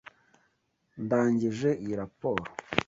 Ndangije iyi raporo.